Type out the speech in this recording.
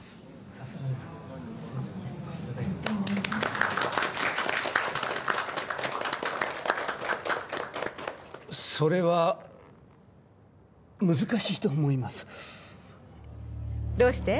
さすがですそれは難しいと思いますどうして？